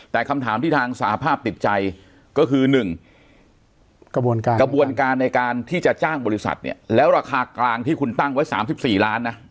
แต่คำถามที่ทางสหภาพติดใจก็คือ๑กระบวนการในการที่จะจ้างบริษัทเนี่ยแล้วราคากลางที่คุณตั้งไว้๓๔ล้านนะ